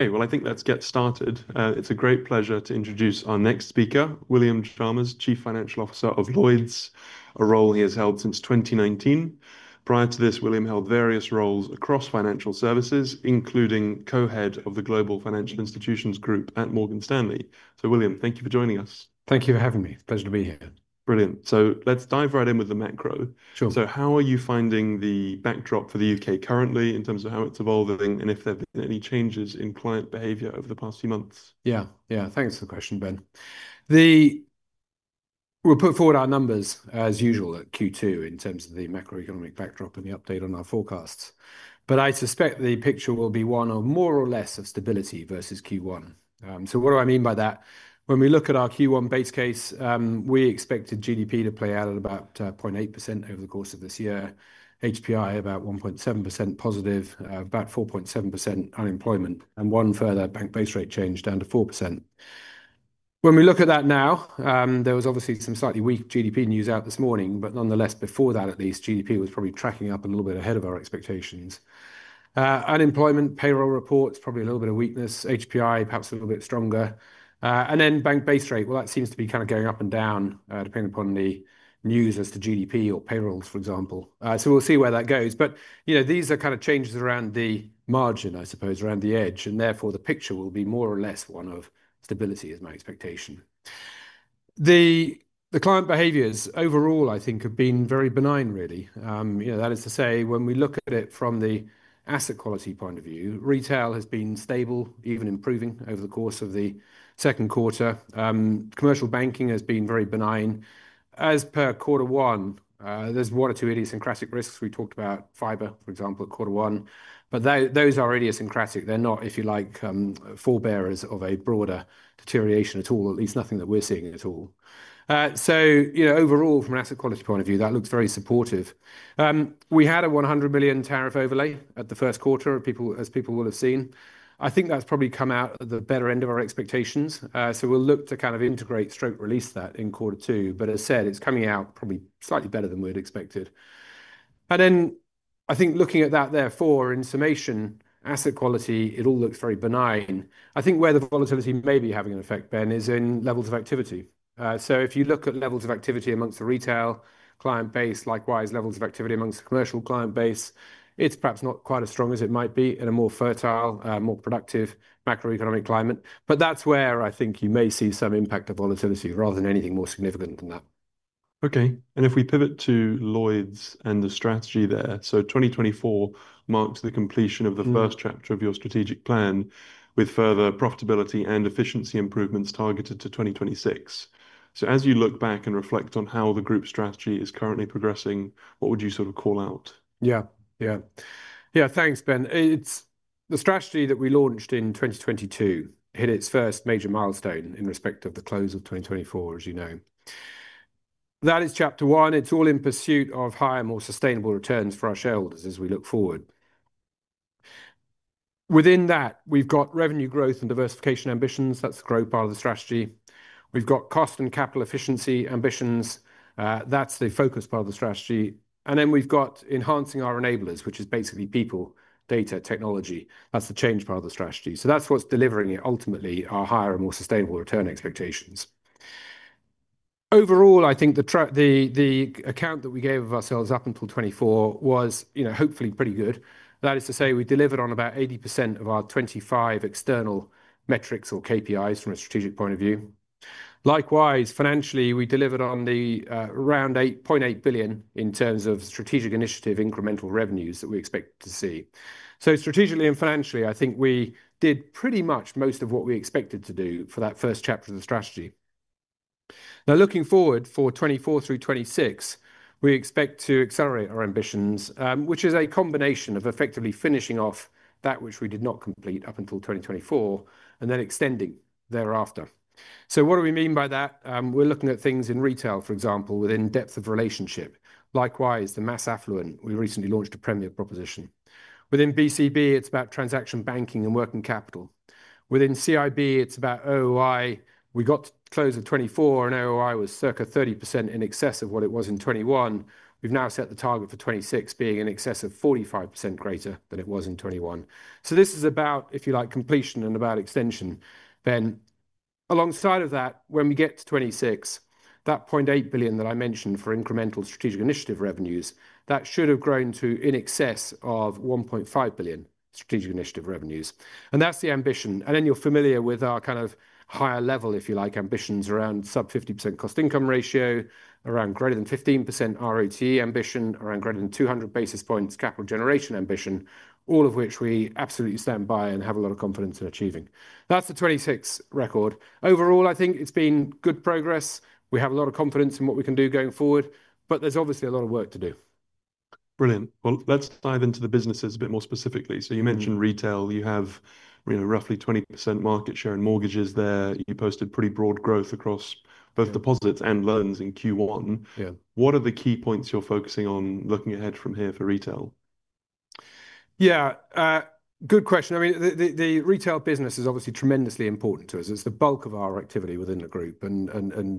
I think let's get started. It's a great pleasure to introduce our next speaker, William Chalmers, Chief Financial Officer of Lloyds, a role he has held since 2019. Prior to this, William held various roles across financial services, including Co-Head of the Global Financial Institutions Group at Morgan Stanley. William, thank you for joining us. Thank you for having me. Pleasure to be here. Brilliant. Let's dive right in with the macro. Sure. How are you finding the backdrop for the U.K. currently in terms of how it's evolving, and if there have been any changes in client behavior over the past few months? Yeah, yeah. Thanks for the question, Ben. We'll put forward our numbers as usual at Q2 in terms of the macroeconomic backdrop and the update on our forecasts. I suspect the picture will be one of more or less of stability versus Q1. What do I mean by that? When we look at our Q1 base case, we expected GDP to play out at about 0.8% over the course of this year, HPI about 1.7% positive, about 4.7% unemployment, and one further bank base rate change down to 4%. When we look at that now, there was obviously some slightly weak GDP news out this morning, but nonetheless, before that at least, GDP was probably tracking up a little bit ahead of our expectations. Unemployment payroll reports, probably a little bit of weakness, HPI perhaps a little bit stronger. Bank base rate seems to be kind of going up and down depending upon the news as to GDP or payrolls, for example. We will see where that goes. These are kind of changes around the margin, I suppose, around the edge, and therefore the picture will be more or less one of stability is my expectation. The client behaviors overall, I think, have been very benign, really. You know, that is to say, when we look at it from the asset quality point of view, retail has been stable, even improving over the course of the second quarter. Commercial banking has been very benign. As per quarter one, there is one or two idiosyncratic risks. We talked about fiber, for example, at quarter one, but those are idiosyncratic. They're not, if you like, forebearers of a broader deterioration at all, at least nothing that we're seeing at all. You know, overall, from an asset quality point of view, that looks very supportive. We had a 100 million tariff overlay at the first quarter, as people will have seen. I think that's probably come out of the better end of our expectations. We will look to kind of integrate stroke release that in quarter two. As said, it's coming out probably slightly better than we'd expected. I think looking at that there for information, asset quality, it all looks very benign. I think where the volatility may be having an effect, Ben, is in levels of activity. If you look at levels of activity amongst the retail client base, likewise levels of activity amongst the commercial client base, it's perhaps not quite as strong as it might be in a more fertile, more productive macroeconomic climate. That's where I think you may see some impact of volatility rather than anything more significant than that. Okay. If we pivot to Lloyds and the strategy there, 2024 marks the completion of the first chapter of your strategic plan with further profitability and efficiency improvements targeted to 2026. As you look back and reflect on how the group strategy is currently progressing, what would you sort of call out? Yeah, yeah. Yeah, thanks, Ben. It's the strategy that we launched in 2022 hit its first major milestone in respect of the close of 2024, as you know. That is chapter one. It's all in pursuit of higher, more sustainable returns for our shareholders as we look forward. Within that, we've got revenue growth and diversification ambitions. That's the growth part of the strategy. We've got cost and capital efficiency ambitions. That's the focus part of the strategy. And then we've got enhancing our enablers, which is basically people, data, technology. That's the change part of the strategy. So that's what's delivering it ultimately, our higher and more sustainable return expectations. Overall, I think the account that we gave of ourselves up until 2024 was, you know, hopefully pretty good. That is to say, we delivered on about 80% of our 25 external metrics or KPIs from a strategic point of view. Likewise, financially, we delivered on the around 8.8 billion in terms of strategic initiative incremental revenues that we expect to see. So strategically and financially, I think we did pretty much most of what we expected to do for that first chapter of the strategy. Now, looking forward for 2024 through 2026, we expect to accelerate our ambitions, which is a combination of effectively finishing off that which we did not complete up until 2024 and then extending thereafter. So what do we mean by that? We're looking at things in retail, for example, within depth of relationship. Likewise, the mass affluent, we recently launched a premier proposition. Within BCB, it's about transaction banking and working capital. Within CIB, it's about OOI. We got to close of 2024, and OOI was circa 30% in excess of what it was in 2021. We've now set the target for 2026 being in excess of 45% greater than it was in 2021. This is about, if you like, completion and about extension. Alongside of that, when we get to 2026, that 0.8 billion that I mentioned for incremental strategic initiative revenues, that should have grown to in excess of 1.5 billion strategic initiative revenues. That is the ambition. You are familiar with our kind of higher level, if you like, ambitions around sub 50% cost income ratio, around greater than 15% ROT ambition, around greater than 200 basis points capital generation ambition, all of which we absolutely stand by and have a lot of confidence in achieving. That is the 2026 record. Overall, I think it has been good progress. We have a lot of confidence in what we can do going forward, but there's obviously a lot of work to do. Brilliant. Let's dive into the businesses a bit more specifically. You mentioned retail. You have, you know, roughly 20% market share in mortgages there. You posted pretty broad growth across both deposits and loans in Q1. What are the key points you're focusing on looking ahead from here for retail? Yeah, good question. I mean, the retail business is obviously tremendously important to us. It is the bulk of our activity within the group and a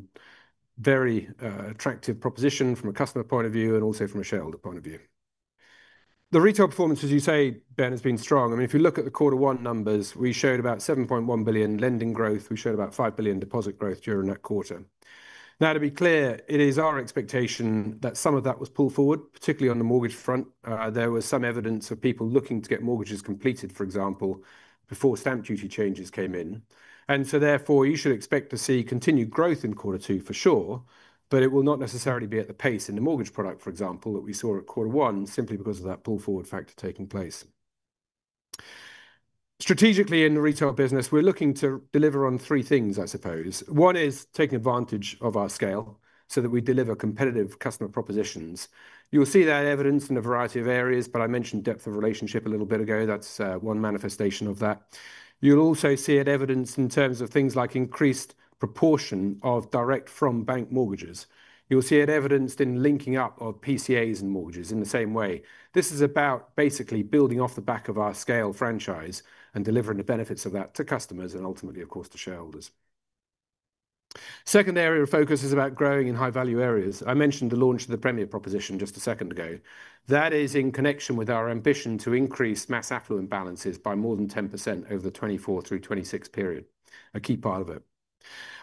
very attractive proposition from a customer point of view and also from a shareholder point of view. The retail performance, as you say, Ben, has been strong. I mean, if you look at the quarter one numbers, we showed about 7.1 billion lending growth. We showed about 5 billion deposit growth during that quarter. Now, to be clear, it is our expectation that some of that was pulled forward, particularly on the mortgage front. There was some evidence of people looking to get mortgages completed, for example, before stamp duty changes came in. Therefore, you should expect to see continued growth in quarter two for sure, but it will not necessarily be at the pace in the mortgage product, for example, that we saw at quarter one simply because of that pull forward factor taking place. Strategically in the retail business, we're looking to deliver on three things, I suppose. One is taking advantage of our scale so that we deliver competitive customer propositions. You'll see that evidenced in a variety of areas, but I mentioned depth of relationship a little bit ago. That's one manifestation of that. You'll also see it evidenced in terms of things like increased proportion of direct from bank mortgages. You'll see it evidenced in linking up of PCAs and mortgages in the same way. This is about basically building off the back of our scale franchise and delivering the benefits of that to customers and ultimately, of course, to shareholders. The second area of focus is about growing in high value areas. I mentioned the launch of the premier proposition just a second ago. That is in connection with our ambition to increase mass affluent balances by more than 10% over the 2024-2026 period, a key part of it.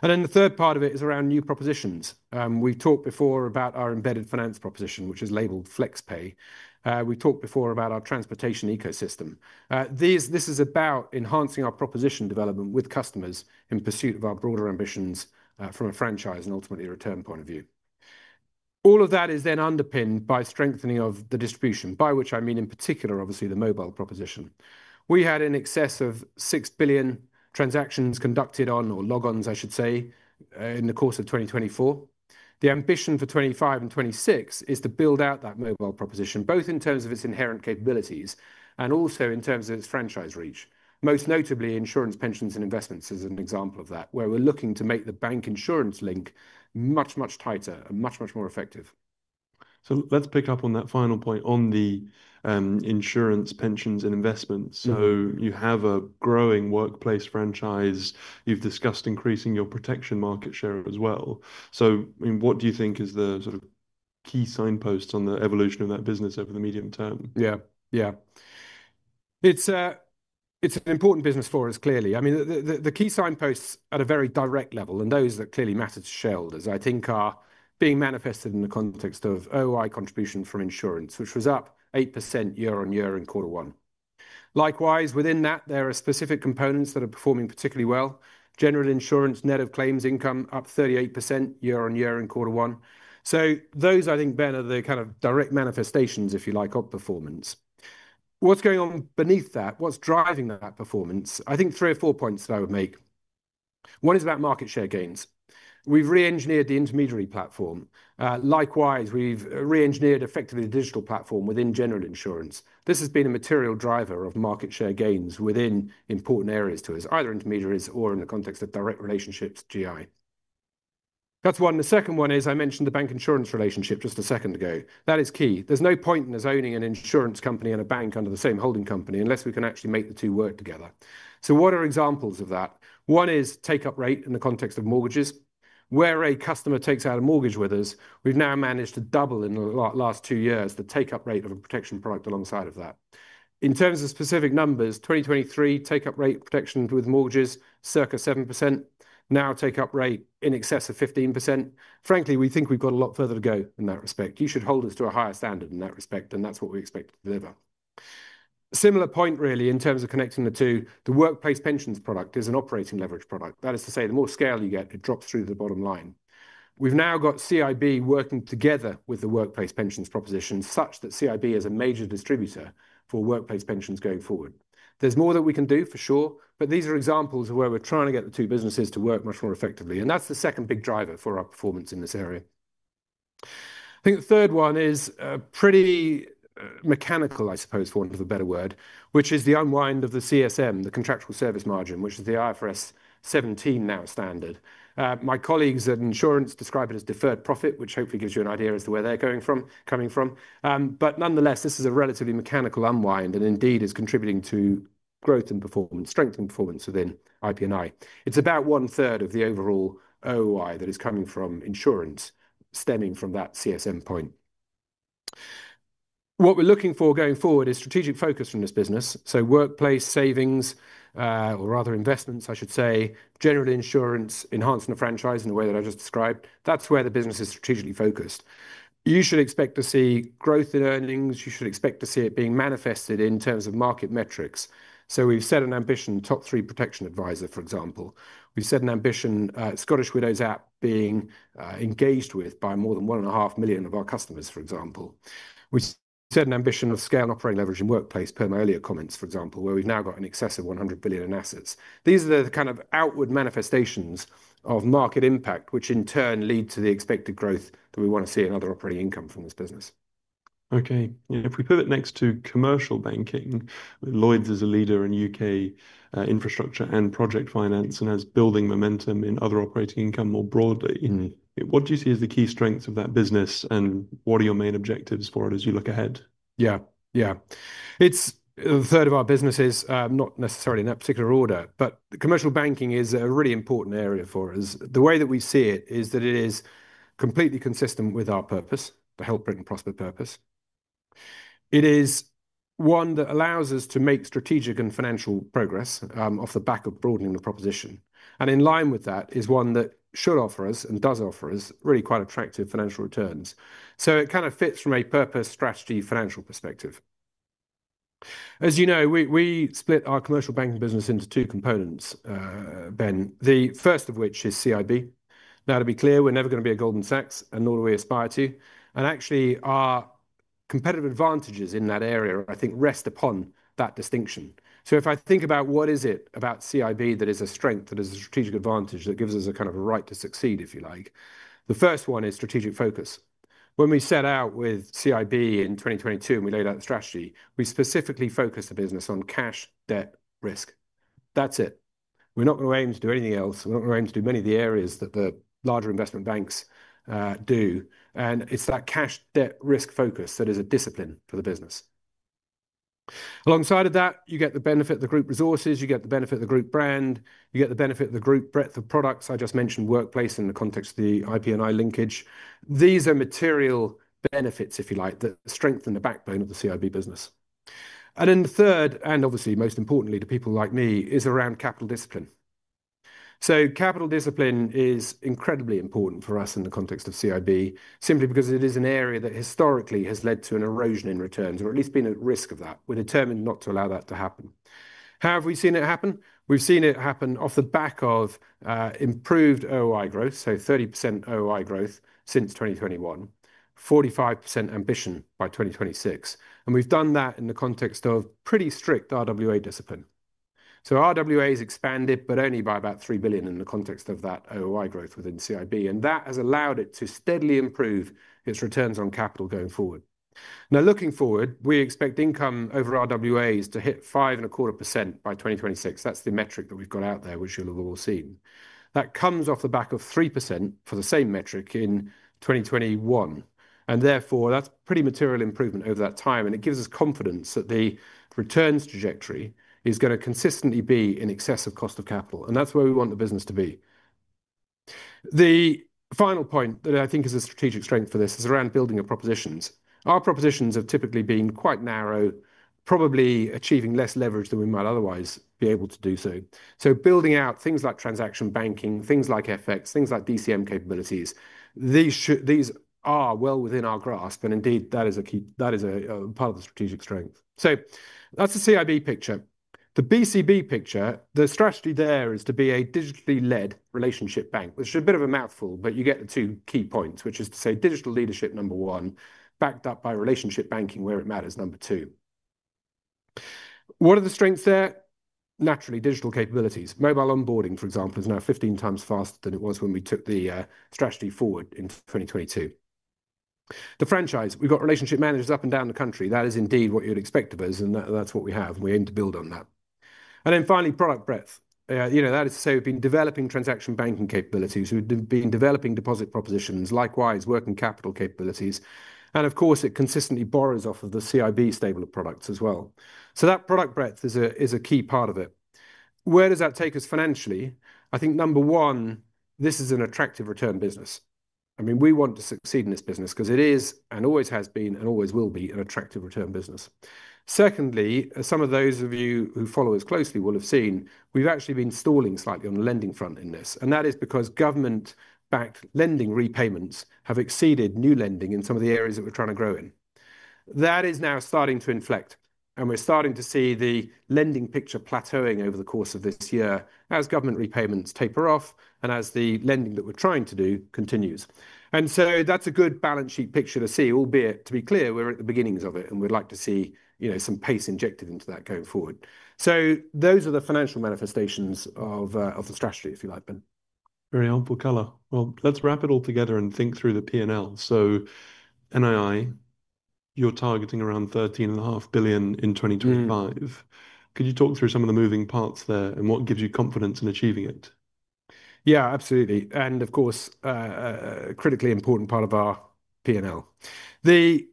The third part of it is around new propositions. We've talked before about our embedded finance proposition, which is labeled FlexPay. We talked before about our transportation ecosystem. This is about enhancing our proposition development with customers in pursuit of our broader ambitions from a franchise and ultimately return point of view. All of that is then underpinned by strengthening of the distribution, by which I mean in particular, obviously, the mobile proposition. We had in excess of 6 billion transactions conducted on, or logons, I should say, in the course of 2024. The ambition for 2025 and 2026 is to build out that mobile proposition, both in terms of its inherent capabilities and also in terms of its franchise reach, most notably insurance, pensions, and investments as an example of that, where we're looking to make the bank insurance link much, much tighter and much, much more effective. Let's pick up on that final point on the insurance, pensions, and investments. You have a growing workplace franchise. You've discussed increasing your protection market share as well. I mean, what do you think is the sort of key signposts on the evolution of that business over the medium term? Yeah, yeah. It's an important business for us, clearly. I mean, the key signposts at a very direct level and those that clearly matter to shareholders, I think, are being manifested in the context of OOI contribution from insurance, which was up 8% year on year in quarter one. Likewise, within that, there are specific components that are performing particularly well. General insurance, net of claims income, up 38% year on year in quarter one. Those, I think, Ben, are the kind of direct manifestations, if you like, of performance. What's going on beneath that? What's driving that performance? I think three or four points that I would make. One is about market share gains. We've re-engineered the intermediary platform. Likewise, we've re-engineered effectively the digital platform within general insurance. This has been a material driver of market share gains within important areas to us, either intermediaries or in the context of direct relationships, GI. That's one. The second one is I mentioned the bank insurance relationship just a second ago. That is key. There's no point in us owning an insurance company and a bank under the same holding company unless we can actually make the two work together. So what are examples of that? One is take-up rate in the context of mortgages. Where a customer takes out a mortgage with us, we've now managed to double in the last two years the take-up rate of a protection product alongside of that. In terms of specific numbers, 2023 take-up rate protection with mortgages circa 7%. Now take-up rate in excess of 15%. Frankly, we think we've got a lot further to go in that respect. You should hold us to a higher standard in that respect, and that's what we expect to deliver. Similar point, really, in terms of connecting the two. The workplace pensions product is an operating leverage product. That is to say, the more scale you get, it drops through to the bottom line. We've now got CIB working together with the workplace pensions proposition such that CIB is a major distributor for workplace pensions going forward. There's more that we can do for sure, but these are examples of where we're trying to get the two businesses to work much more effectively. That's the second big driver for our performance in this area. I think the third one is pretty mechanical, I suppose, for want of a better word, which is the unwind of the CSM, the contractual service margin, which is the IFRS 17 now standard. My colleagues at insurance describe it as deferred profit, which hopefully gives you an idea as to where they're coming from. Nonetheless, this is a relatively mechanical unwind and indeed is contributing to growth and performance, strength and performance within IP&I. It's about one third of the overall OOI that is coming from insurance stemming from that CSM point. What we're looking for going forward is strategic focus from this business. Workplace savings or rather investments, I should say, general insurance, enhancing the franchise in a way that I just described. That's where the business is strategically focused. You should expect to see growth in earnings. You should expect to see it being manifested in terms of market metrics. We've set an ambition, top three protection advisor, for example. We've set an ambition, Scottish Widows app being engaged with by more than 1.5 million of our customers, for example. We set an ambition of scale and operating leverage in workplace per my earlier comments, for example, where we've now got in excess of 100 billion in assets. These are the kind of outward manifestations of market impact, which in turn lead to the expected growth that we want to see in other operating income from this business. Okay. If we pivot next to commercial banking, Lloyds is a leader in U.K. infrastructure and project finance and has building momentum in other operating income more broadly. What do you see as the key strengths of that business and what are your main objectives for it as you look ahead? Yeah, yeah. It's a third of our businesses, not necessarily in that particular order, but commercial banking is a really important area for us. The way that we see it is that it is completely consistent with our purpose, the help bring prosper purpose. It is one that allows us to make strategic and financial progress off the back of broadening the proposition. In line with that, it is one that should offer us and does offer us really quite attractive financial returns. It kind of fits from a purpose, strategy, financial perspective. As you know, we split our commercial banking business into two components, Ben. The first of which is CIB. Now, to be clear, we're never going to be a Goldman Sachs and nor do we aspire to. Actually, our competitive advantages in that area, I think, rest upon that distinction. If I think about what is it about CIB that is a strength, that is a strategic advantage that gives us a kind of a right to succeed, if you like, the first one is strategic focus. When we set out with CIB in 2022 and we laid out the strategy, we specifically focused the business on cash, debt, risk. That's it. We're not going to aim to do anything else. We're not going to aim to do many of the areas that the larger investment banks do. It is that cash, debt, risk focus that is a discipline for the business. Alongside of that, you get the benefit of the group resources. You get the benefit of the group brand. You get the benefit of the group breadth of products. I just mentioned workplace in the context of the IP&I linkage. These are material benefits, if you like, that strengthen the backbone of the CIB business. The third, and obviously most importantly to people like me, is around capital discipline. Capital discipline is incredibly important for us in the context of CIB simply because it is an area that historically has led to an erosion in returns or at least been at risk of that. We're determined not to allow that to happen. How have we seen it happen? We've seen it happen off the back of improved OOI growth, 30% OOI growth since 2021, 45% ambition by 2026. We've done that in the context of pretty strict RWA discipline. RWAs expanded, but only by about 3 billion in the context of that OOI growth within CIB. That has allowed it to steadily improve its returns on capital going forward. Now, looking forward, we expect income over RWAs to hit 5.25% by 2026. That's the metric that we've got out there, which you'll have all seen. That comes off the back of 3% for the same metric in 2021. Therefore, that's pretty material improvement over that time. It gives us confidence that the returns trajectory is going to consistently be in excess of cost of capital. That's where we want the business to be. The final point that I think is a strategic strength for this is around building of propositions. Our propositions have typically been quite narrow, probably achieving less leverage than we might otherwise be able to do so. Building out things like transaction banking, things like FX, things like DCM capabilities, these are well within our grasp. Indeed, that is a key, that is a part of the strategic strength. That is the CIB picture. The BCB picture, the strategy there is to be a digitally led relationship bank, which is a bit of a mouthful, but you get the two key points, which is to say digital leadership number one, backed up by relationship banking where it matters number two. What are the strengths there? Naturally, digital capabilities. Mobile onboarding, for example, is now 15x faster than it was when we took the strategy forward in 2022. The franchise, we have relationship managers up and down the country. That is indeed what you would expect of us, and that is what we have, and we aim to build on that. Finally, product breadth. You know, that is to say we have been developing transaction banking capabilities. We have been developing deposit propositions, likewise working capital capabilities. It consistently borrows off of the CIB stable of products as well. That product breadth is a key part of it. Where does that take us financially? I think, number one, this is an attractive return business. I mean, we want to succeed in this business because it is and always has been and always will be an attractive return business. Secondly, some of those of you who follow us closely will have seen we've actually been stalling slightly on the lending front in this. That is because government-backed lending repayments have exceeded new lending in some of the areas that we're trying to grow in. That is now starting to inflect. We're starting to see the lending picture plateauing over the course of this year as government repayments taper off and as the lending that we're trying to do continues. That is a good balance sheet picture to see, albeit to be clear, we are at the beginnings of it and we would like to see, you know, some pace injected into that going forward. Those are the financial manifestations of the strategy, if you like, Ben. Very ample color. Let's wrap it all together and think through the P&L. NII, you're targeting around 13.5 billion in 2025. Could you talk through some of the moving parts there and what gives you confidence in achieving it? Yeah, absolutely. Of course, a critically important part of our P&L. The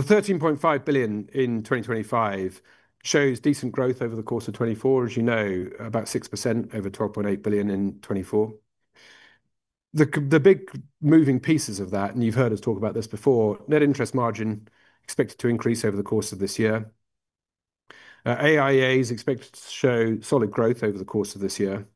13.5 billion in 2025 shows decent growth over the course of 2024, as you know, about 6% over 12.8 billion in 2024. The big moving pieces of that, and you have heard us talk about this before, net interest margin expected to increase over the course of this year. AIA is expected to show solid growth over the course of this year.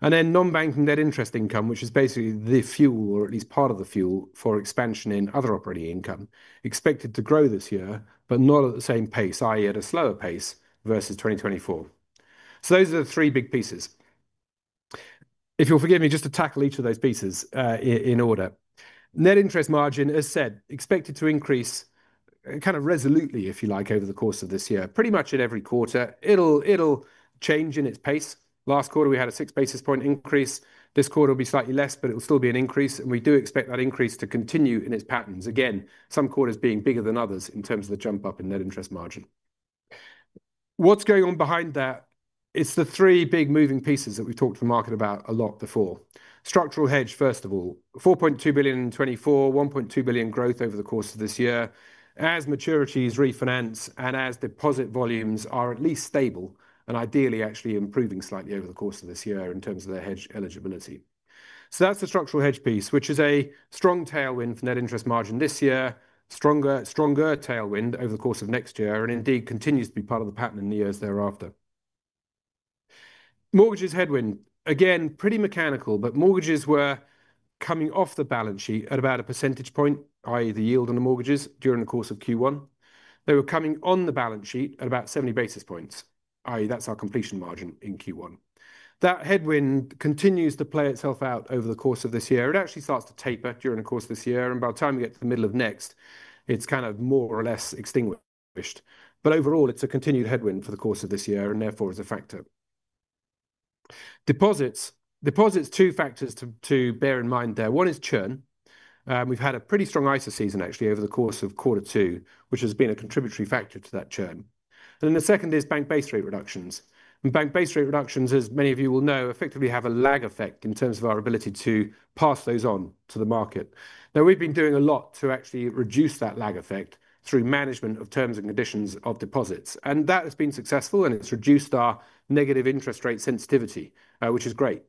Then non-banking net interest income, which is basically the fuel, or at least part of the fuel for expansion in other operating income, expected to grow this year, but not at the same pace, i.e., at a slower pace versus 2024. Those are the three big pieces. If you will forgive me, just to tackle each of those pieces in order. Net interest margin, as said, expected to increase kind of resolutely, if you like, over the course of this year, pretty much in every quarter. It will change in its pace. Last quarter, we had a six basis point increase. This quarter will be slightly less, but it will still be an increase. We do expect that increase to continue in its patterns. Again, some quarters being bigger than others in terms of the jump up in net interest margin. What is going on behind that? It is the three big moving pieces that we have talked to the market about a lot before. Structural hedge, first of all, 4.2 billion in 2024, 1.2 billion growth over the course of this year, as maturities refinance and as deposit volumes are at least stable and ideally actually improving slightly over the course of this year in terms of their hedge eligibility. That's the structural hedge piece, which is a strong tailwind for net interest margin this year, stronger tailwind over the course of next year and indeed continues to be part of the pattern in the years thereafter. Mortgages headwind, again, pretty mechanical, but mortgages were coming off the balance sheet at about a percentage point, i.e., the yield on the mortgages during the course of Q1. They were coming on the balance sheet at about 70 basis points, i.e., that's our completion margin in Q1. That headwind continues to play itself out over the course of this year. It actually starts to taper during the course of this year. By the time we get to the middle of next, it's kind of more or less extinguished. Overall, it's a continued headwind for the course of this year and therefore is a factor. Deposits, two factors to bear in mind there. One is churn. We've had a pretty strong ISA season actually over the course of quarter two, which has been a contributory factor to that churn. The second is bank base rate reductions. Bank base rate reductions, as many of you will know, effectively have a lag effect in terms of our ability to pass those on to the market. Now, we've been doing a lot to actually reduce that lag effect through management of terms and conditions of deposits. That has been successful, and it's reduced our negative interest rate sensitivity, which is great.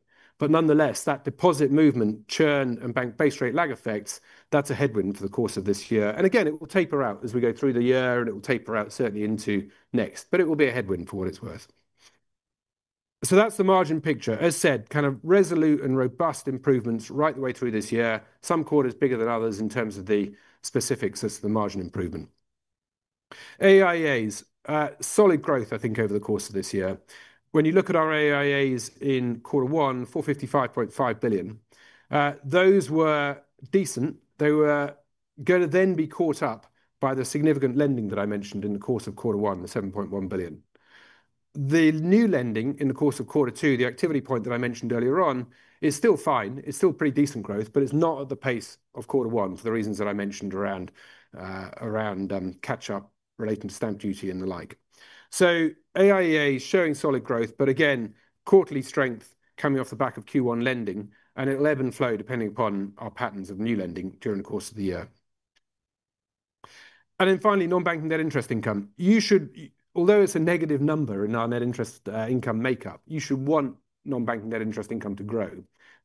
Nonetheless, that deposit movement, churn and bank base rate lag effects, that's a headwind for the course of this year. It will taper out as we go through the year, and it will taper out certainly into next, but it will be a headwind for what it's worth. That's the margin picture. As said, kind of resolute and robust improvements right the way through this year. Some quarters bigger than others in terms of the specifics as to the margin improvement. AIAs, solid growth, I think, over the course of this year. When you look at our AIAs in quarter one, 455.5 billion, those were decent. They were going to then be caught up by the significant lending that I mentioned in the course of quarter one, the 7.1 billion. The new lending in the course of quarter two, the activity point that I mentioned earlier on, is still fine. It's still pretty decent growth, but it's not at the pace of quarter one for the reasons that I mentioned around catch-up relating to stamp duty and the like. AIA is showing solid growth, but again, quarterly strength coming off the back of Q1 lending and an ebb and flow depending upon our patterns of new lending during the course of the year. Finally, non-banking net interest income. You should, although it's a negative number in our net interest income makeup, you should want non-banking net interest income to grow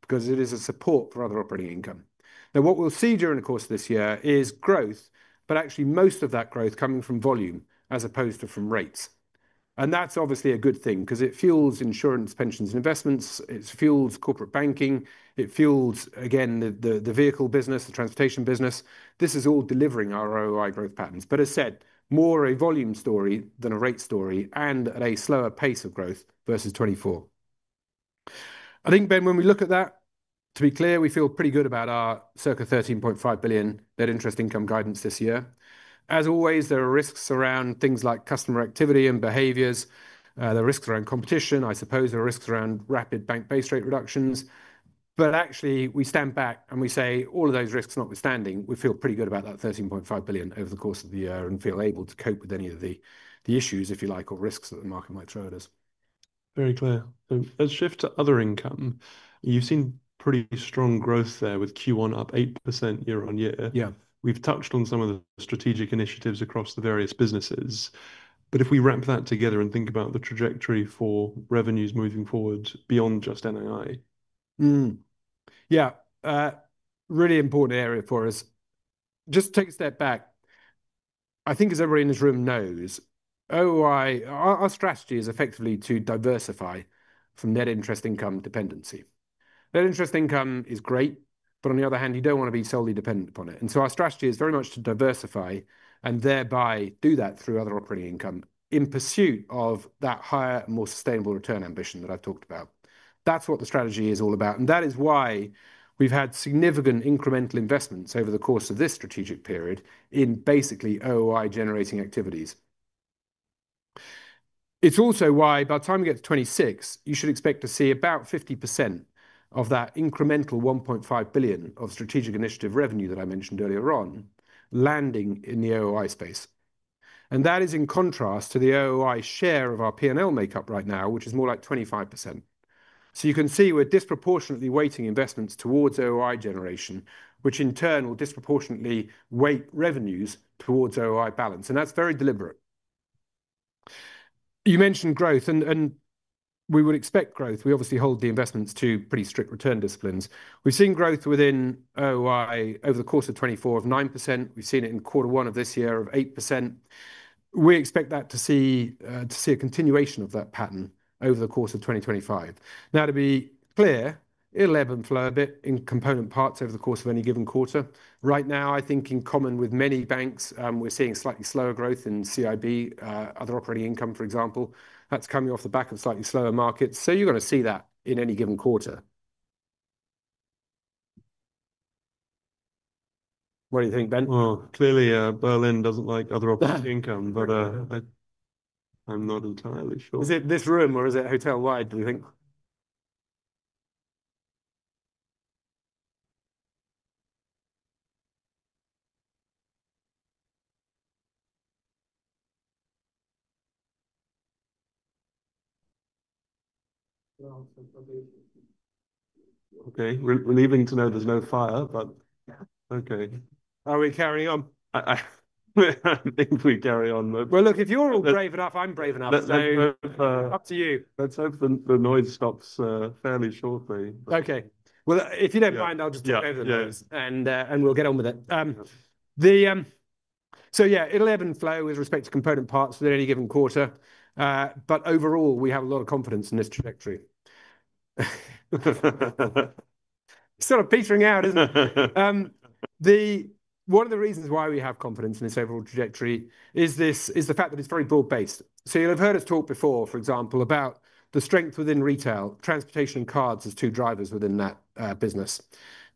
because it is a support for other operating income. What we'll see during the course of this year is growth, but actually most of that growth coming from volume as opposed to from rates. That's obviously a good thing because it fuels insurance, pensions, and investments. It fuels corporate banking. It fuels, again, the vehicle business, the transportation business. This is all delivering our ROI growth patterns. As said, more a volume story than a rate story and at a slower pace of growth versus 2024. I think, Ben, when we look at that, to be clear, we feel pretty good about our circa 13.5 billion net interest income guidance this year. As always, there are risks around things like customer activity and behaviors. There are risks around competition, I suppose. There are risks around rapid bank base rate reductions. Actually, we stand back and we say all of those risks notwithstanding, we feel pretty good about that 13.5 billion over the course of the year and feel able to cope with any of the issues, if you like, or risks that the market might throw at us. Very clear. Let's shift to other income. You've seen pretty strong growth there with Q1 up 8% year on year. Yeah, we've touched on some of the strategic initiatives across the various businesses. If we wrap that together and think about the trajectory for revenues moving forward beyond just NII. Yeah, really important area for us. Just take a step back. I think as everyone in this room knows, our strategy is effectively to diversify from net interest income dependency. Net interest income is great, but on the other hand, you do not want to be solely dependent upon it. Our strategy is very much to diversify and thereby do that through other operating income in pursuit of that higher and more sustainable return ambition that I have talked about. That is what the strategy is all about. That is why we have had significant incremental investments over the course of this strategic period in basically OOI generating activities. It is also why by the time we get to 2026, you should expect to see about 50% of that incremental 1.5 billion of strategic initiative revenue that I mentioned earlier on landing in the OOI space. That is in contrast to the OOI share of our P&L makeup right now, which is more like 25%. You can see we're disproportionately weighting investments towards OOI generation, which in turn will disproportionately weight revenues towards OOI balance. That is very deliberate. You mentioned growth, and we would expect growth. We obviously hold the investments to pretty strict return disciplines. We've seen growth within OOI over the course of 2024 of 9%. We've seen it in quarter one of this year of 8%. We expect that to see a continuation of that pattern over the course of 2025. To be clear, it'll ebb and flow a bit in component parts over the course of any given quarter. Right now, I think in common with many banks, we're seeing slightly slower growth in CIB, other operating income, for example. That's coming off the back of slightly slower markets. You are going to see that in any given quarter. What do you think, Ben? Clearly, Berlin doesn't like other operating income, but I'm not entirely sure. Is it this room or is it hotel-wide, do you think? Okay, relieving to know there's no fire, but okay. Are we carrying on? I think we carry on, but. If you're all brave enough, I'm brave enough. Up to you. Let's hope the noise stops fairly shortly. Okay. If you don't mind, I'll just take over the noise and we'll get on with it. Yeah, it'll ebb and flow with respect to component parts within any given quarter. Overall, we have a lot of confidence in this trajectory. It's sort of petering out, isn't it? One of the reasons why we have confidence in this overall trajectory is the fact that it's very broad-based. You'll have heard us talk before, for example, about the strength within retail, transportation, and cards as two drivers within that business.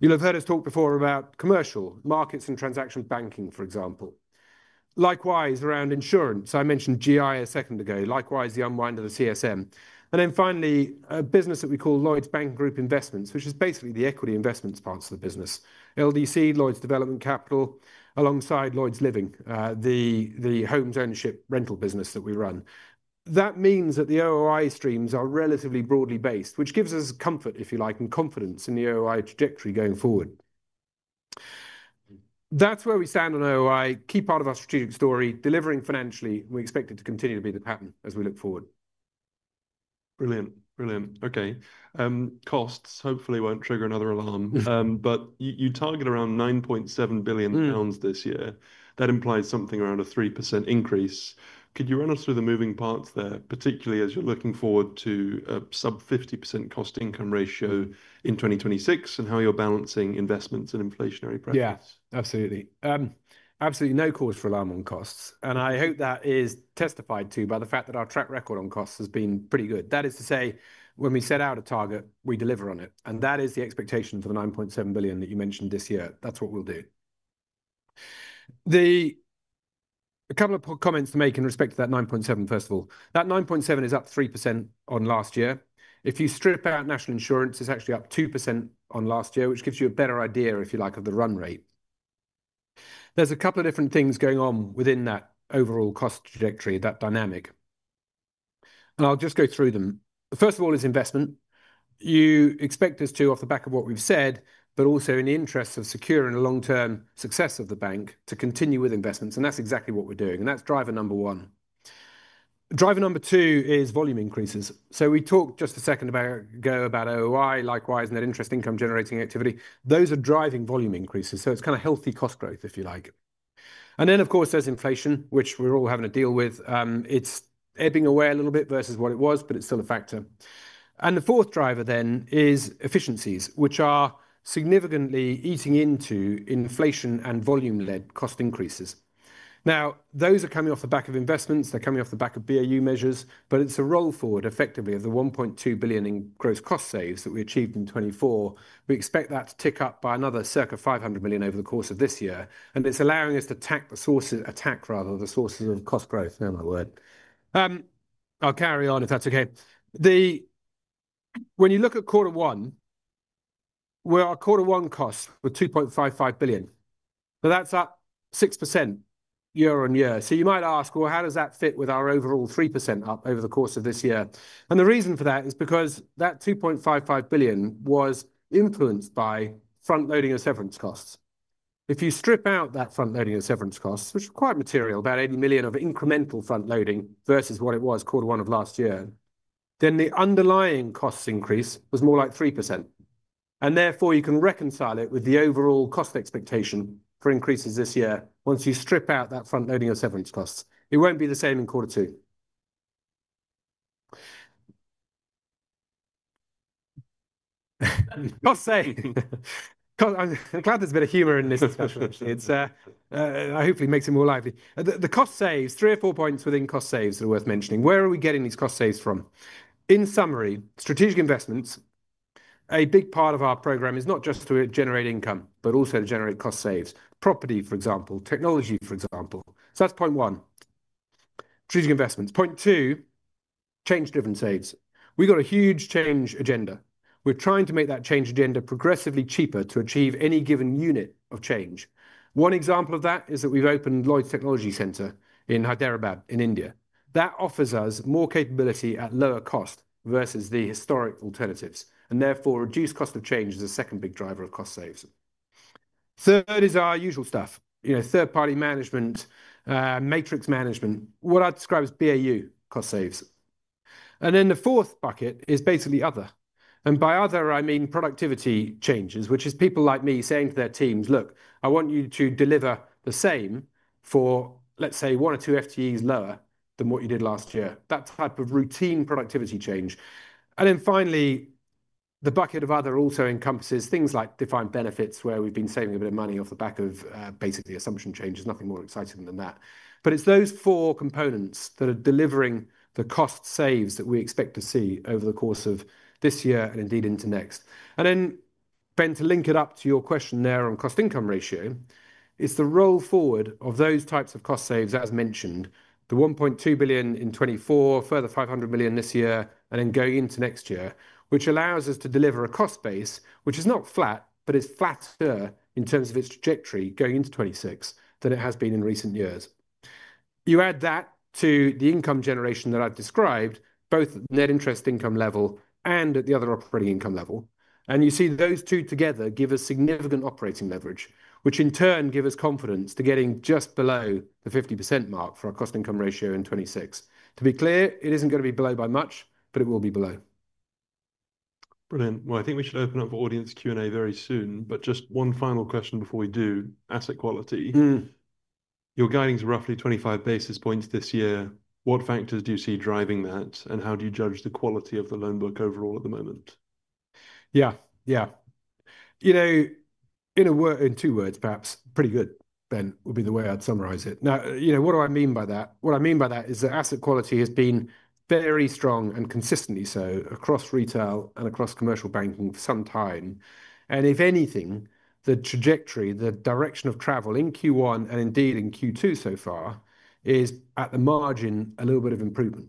You'll have heard us talk before about commercial markets and transaction banking, for example. Likewise, around insurance, I mentioned GI a second ago, likewise the unwind of the CSM. Finally, a business that we call Lloyds Banking Group Investments, which is basically the equity investments parts of the business, LDC, Lloyds Development Capital, alongside Lloyds Living, the home ownership rental business that we run. That means that the OOI streams are relatively broadly based, which gives us comfort, if you like, and confidence in the OOI trajectory going forward. That is where we stand on OOI, key part of our strategic story, delivering financially, and we expect it to continue to be the pattern as we look forward. Brilliant, brilliant. Okay. Costs hopefully won't trigger another alarm. But you target around 9.7 billion pounds this year. That implies something around a 3% increase. Could you run us through the moving parts there, particularly as you're looking forward to a sub 50% cost income ratio in 2026 and how you're balancing investments and inflationary pressures? Yes, absolutely. Absolutely no cause for alarm on costs. I hope that is testified to by the fact that our track record on costs has been pretty good. That is to say, when we set out a target, we deliver on it. That is the expectation for the 9.7 billion that you mentioned this year. That is what we will do. A couple of comments to make in respect to that 9.7 billion, first of all. That 9.7 billion is up 3% on last year. If you strip out national insurance, it is actually up 2% on last year, which gives you a better idea, if you like, of the run rate. There are a couple of different things going on within that overall cost trajectory, that dynamic. I will just go through them. First of all is investment. You expect us to, off the back of what we've said, but also in the interest of securing a long-term success of the bank, to continue with investments. That's exactly what we're doing. That's driver number one. Driver number two is volume increases. We talked just a second ago about OOI, likewise net interest income generating activity. Those are driving volume increases. It's kind of healthy cost growth, if you like. Of course, there's inflation, which we're all having to deal with. It's ebbing away a little bit versus what it was, but it's still a factor. The fourth driver then is efficiencies, which are significantly eating into inflation and volume-led cost increases. Those are coming off the back of investments. They're coming off the back of BCB measures. It is a roll forward effectively of the 1.2 billion in gross cost saves that we achieved in 2024. We expect that to tick up by another circa 500 million over the course of this year. It is allowing us to attack the sources, attack rather the sources of cost growth. I'll carry on if that's okay. When you look at quarter one, quarter one costs were 2.55 billion. That is up 6% year on year. You might ask, how does that fit with our overall 3% up over the course of this year? The reason for that is because that 2.55 billion was influenced by front-loading of severance costs. If you strip out that front-loading of severance costs, which are quite material, about 80 million of incremental front-loading versus what it was quarter one of last year, then the underlying cost increase was more like 3%. Therefore, you can reconcile it with the overall cost expectation for increases this year. Once you strip out that front-loading of severance costs, it will not be the same in quarter two. I'm glad there's a bit of humor in this discussion. It hopefully makes it more lively. The cost saves, three or four points within cost saves that are worth mentioning. Where are we getting these cost saves from? In summary, strategic investments, a big part of our program is not just to generate income, but also to generate cost saves. Property, for example, technology, for example. That's point one, strategic investments. Point two, change-driven saves. We've got a huge change agenda. We're trying to make that change agenda progressively cheaper to achieve any given unit of change. One example of that is that we've opened Lloyds Technology Center in Hyderabad in India. That offers us more capability at lower cost versus the historic alternatives and therefore reduced cost of change as a second big driver of cost saves. Third is our usual stuff, you know, third-party management, matrix management, what I'd describe as BAU cost saves. The fourth bucket is basically other. By other, I mean productivity changes, which is people like me saying to their teams, look, I want you to deliver the same for, let's say, one or two FTEs lower than what you did last year. That type of routine productivity change. Finally, the bucket of other also encompasses things like defined benefits where we've been saving a bit of money off the back of basically assumption changes. Nothing more exciting than that. It is those four components that are delivering the cost saves that we expect to see over the course of this year and indeed into next. Ben, to link it up to your question there on cost income ratio, it is the roll forward of those types of cost saves as mentioned, the 1.2 billion in 2024, further 500 million this year, and then going into next year, which allows us to deliver a cost base, which is not flat, but it is flatter in terms of its trajectory going into 2026 than it has been in recent years. You add that to the income generation that I've described, both at net interest income level and at the other operating income level. You see those two together give us significant operating leverage, which in turn gives us confidence to getting just below the 50% mark for our cost income ratio in 2026. To be clear, it isn't going to be below by much, but it will be below. Brilliant. I think we should open up audience Q&A very soon. Just one final question before we do, asset quality. Your guidance is roughly 25 basis points this year. What factors do you see driving that? How do you judge the quality of the loan book overall at the moment? Yeah, yeah. You know, in two words, perhaps, pretty good, Ben, would be the way I'd summarize it. Now, you know, what do I mean by that? What I mean by that is that asset quality has been very strong and consistently so across retail and across commercial banking for some time. If anything, the trajectory, the direction of travel in Q1 and indeed in Q2 so far is at the margin a little bit of improvement.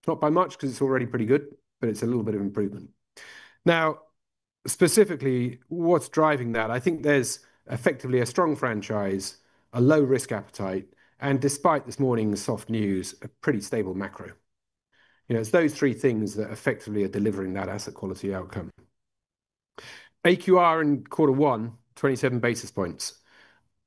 It's not by much because it's already pretty good, but it's a little bit of improvement. Now, specifically, what's driving that? I think there's effectively a strong franchise, a low risk appetite, and despite this morning's soft news, a pretty stable macro. You know, it's those three things that effectively are delivering that asset quality outcome. AQR in quarter one, 27 basis points.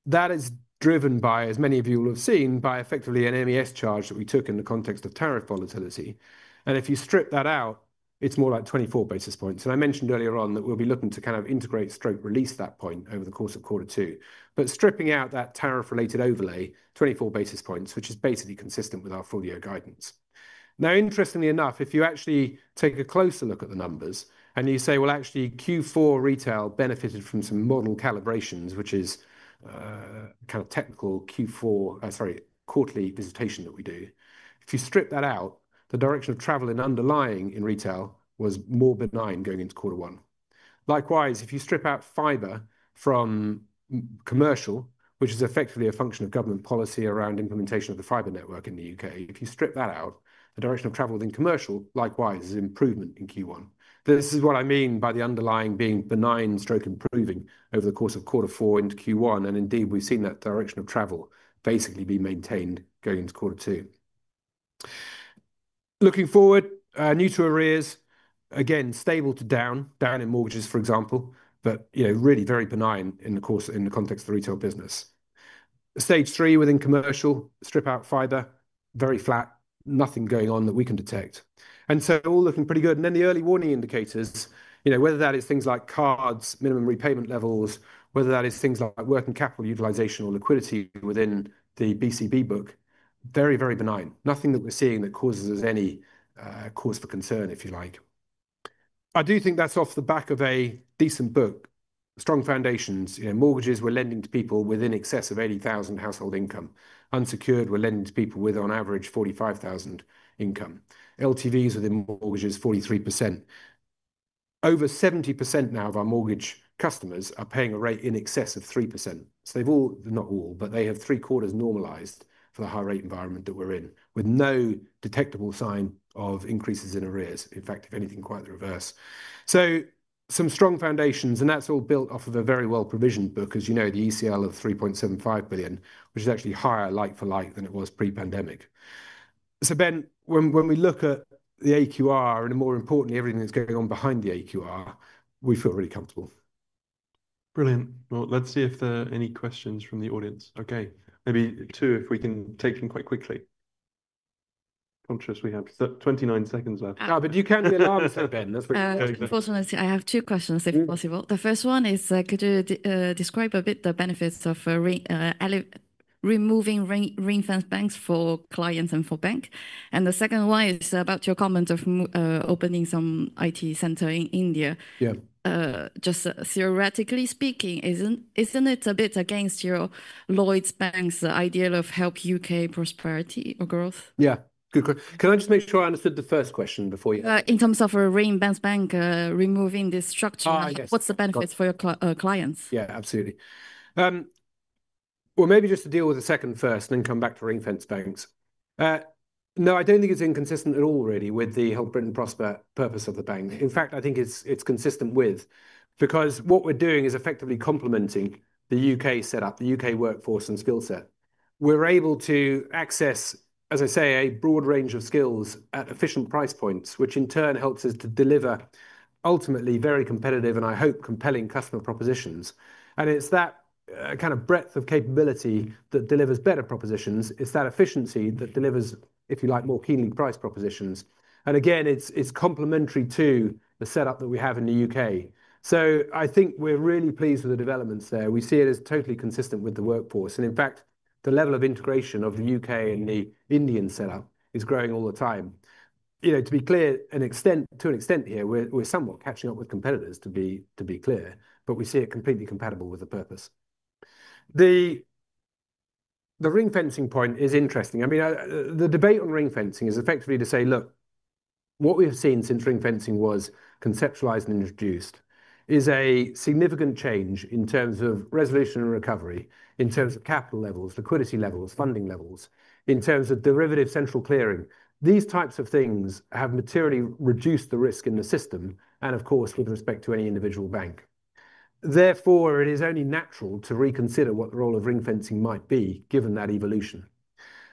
That is driven by, as many of you will have seen, by effectively an MES charge that we took in the context of tariff volatility. If you strip that out, it is more like 24 basis points. I mentioned earlier on that we will be looking to kind of integrate stroke release that point over the course of quarter two. Stripping out that tariff-related overlay, 24 basis points, which is basically consistent with our full year guidance. Interestingly enough, if you actually take a closer look at the numbers and you say, actually Q4 retail benefited from some model calibrations, which is kind of technical Q4, sorry, quarterly visitation that we do. If you strip that out, the direction of travel underlying in retail was more benign going into quarter one. Likewise, if you strip out fiber from commercial, which is effectively a function of government policy around implementation of the fiber network in the U.K., if you strip that out, the direction of travel in commercial likewise is improvement in Q1. This is what I mean by the underlying being benign stroke improving over the course of quarter four into Q1. Indeed, we've seen that direction of travel basically be maintained going into quarter two. Looking forward, new to arrears, again, stable to down, down in mortgages, for example, but you know, really very benign in the course in the context of the retail business. Stage three within commercial, strip out fiber, very flat, nothing going on that we can detect. All looking pretty good. The early warning indicators, you know, whether that is things like cards, minimum repayment levels, whether that is things like working capital utilization or liquidity within the BCB book, very, very benign. Nothing that we're seeing that causes us any cause for concern, if you like. I do think that's off the back of a decent book. Strong foundations, you know, mortgages, we're lending to people with in excess of 80,000 household income. Unsecured, we're lending to people with on average 45,000 income. LTVs within mortgages, 43%. Over 70% now of our mortgage customers are paying a rate in excess of 3%. So they've all, not all, but they have three quarters normalized for the high rate environment that we're in with no detectable sign of increases in arrears. In fact, if anything, quite the reverse. Some strong foundations, and that's all built off of a very well-provisioned book, as you know, the ECL of 3.75 billion, which is actually higher like for like than it was pre-pandemic. Ben, when we look at the AQR and more importantly, everything that's going on behind the AQR, we feel really comfortable. Brilliant. Let's see if there are any questions from the audience. Okay. Maybe two, if we can take them quite quickly. Conscious we have 29 seconds left. No, but you can't be alarmed, Ben. Unfortunately, I have two questions, if possible. The first one is, could you describe a bit the benefits of removing reinforced banks for clients and for bank? The second one is about your comment of opening some IT center in India. Yeah, just theoretically speaking, isn't it a bit against your Lloyds Bank's ideal of help U.K. prosperity or growth? Yeah. Can I just make sure I understood the first question before you? In terms of a reinforced bank, removing this structure, what's the benefits for your clients? Yeah, absolutely. Maybe just to deal with the second first and then come back to reinforced banks. No, I do not think it is inconsistent at all really with the Help Britain Prosper purpose of the bank. In fact, I think it is consistent with, because what we are doing is effectively complementing the U.K. setup, the U.K. workforce and skill set. We are able to access, as I say, a broad range of skills at efficient price points, which in turn helps us to deliver ultimately very competitive and I hope compelling customer propositions. It is that kind of breadth of capability that delivers better propositions. It is that efficiency that delivers, if you like, more keenly priced propositions. Again, it is complementary to the setup that we have in the U.K. I think we are really pleased with the developments there. We see it as totally consistent with the workforce. In fact, the level of integration of the U.K. and the Indian setup is growing all the time. You know, to be clear, to an extent here, we're somewhat catching up with competitors, to be clear, but we see it completely compatible with the purpose. The reinforcing point is interesting. I mean, the debate on reinforcing is effectively to say, look, what we've seen since reinforcing was conceptualized and introduced is a significant change in terms of resolution and recovery, in terms of capital levels, liquidity levels, funding levels, in terms of derivative central clearing. These types of things have materially reduced the risk in the system and, of course, with respect to any individual bank. Therefore, it is only natural to reconsider what the role of reinforcing might be given that evolution.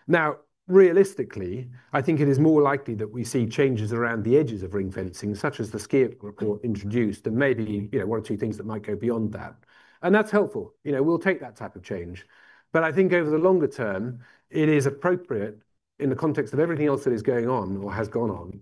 Now, realistically, I think it is more likely that we see changes around the edges of reinforcing, such as the SCIA report introduced, and maybe, you know, one or two things that might go beyond that. That is helpful. You know, we will take that type of change. I think over the longer term, it is appropriate in the context of everything else that is going on or has gone on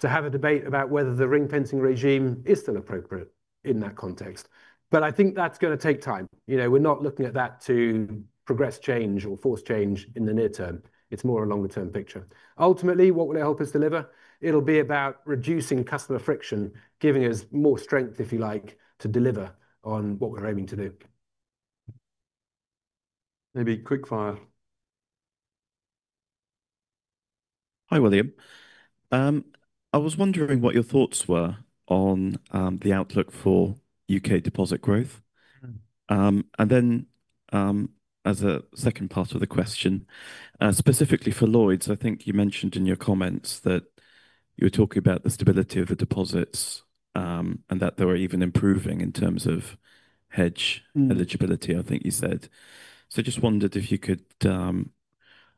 to have a debate about whether the reinforcing regime is still appropriate in that context. I think that is going to take time. You know, we are not looking at that to progress change or force change in the near term. It is more a longer-term picture. Ultimately, what will it help us deliver? It will be about reducing customer friction, giving us more strength, if you like, to deliver on what we are aiming to do. Maybe quick fire. Hi, William. I was wondering what your thoughts were on the outlook for U.K. deposit growth. As a second part of the question, specifically for Lloyds, I think you mentioned in your comments that you were talking about the stability of the deposits and that they were even improving in terms of hedge eligibility, I think you said. I just wondered if you could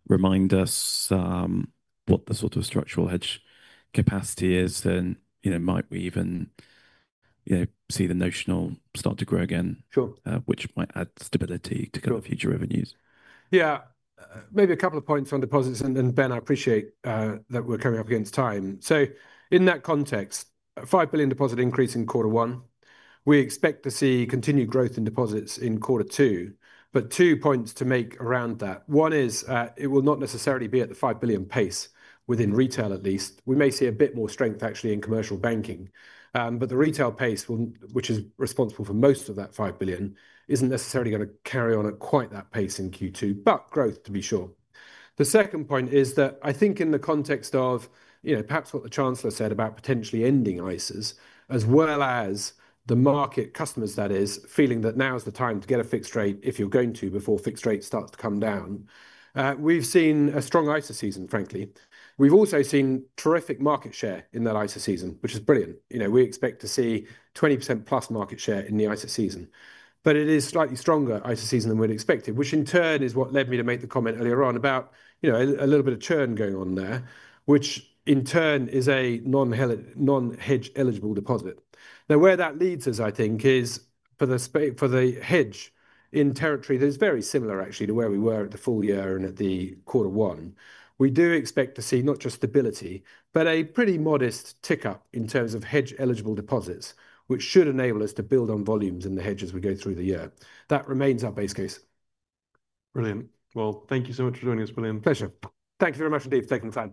remind us what the sort of structural hedge capacity is and, you know, might we even, you know, see the notional start to grow again, which might add stability to future revenues. Yeah, maybe a couple of points on deposits. Ben, I appreciate that we're coming up against time. In that context, a 5 billion deposit increase in quarter one. We expect to see continued growth in deposits in quarter two. Two points to make around that. One is it will not necessarily be at the 5 billion pace within retail at least. We may see a bit more strength actually in commercial banking. The retail pace, which is responsible for most of that 5 billion, is not necessarily going to carry on at quite that pace in Q2, but growth to be sure. The second point is that I think in the context of, you know, perhaps what the Chancellor said about potentially ending ISAs, as well as the market customers, that is, feeling that now's the time to get a fixed rate if you're going to before fixed rates start to come down. We've seen a strong ISA season, frankly. We've also seen terrific market share in that ISA season, which is brilliant. You know, we expect to see 20%+ market share in the ISA season. It is a slightly stronger ISA season than we'd expected, which in turn is what led me to make the comment earlier on about, you know, a little bit of churn going on there, which in turn is a non-hedge eligible deposit. Now, where that leads us, I think, is for the hedge in territory that is very similar actually to where we were at the full year and at the quarter one. We do expect to see not just stability, but a pretty modest tick up in terms of hedge eligible deposits, which should enable us to build on volumes in the hedge as we go through the year. That remains our base case. Brilliant. Thank you so much for joining us, William. Pleasure. Thank you very much indeed for taking the time.